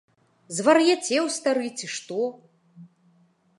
Звар'яцеў, стары, ці што?